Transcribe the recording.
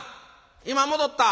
今戻った。